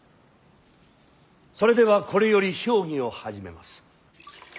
それではこれより評議を始めます。